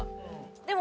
でも。